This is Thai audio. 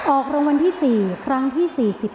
ออกรางวัลที่๔ครั้งที่๔๔